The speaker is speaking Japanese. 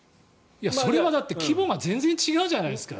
それは規模が全然違うじゃないですか。